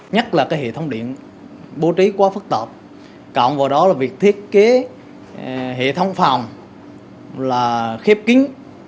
nhất là cái hệ thống điện bố trí quá phức tạp cộng vào đó là việc thiết kế hệ thống phòng là khép kín